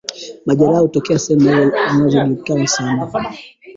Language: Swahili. Majeraha hutokea sehemu anazojikuna sana